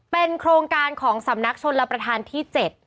เป็นโครงการของสำนักชนรับประทานที่๗